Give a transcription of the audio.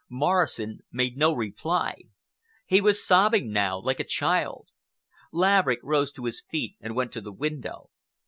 Morrison made no reply. He was sobbing now like a child. Laverick rose to his feet and went to the window.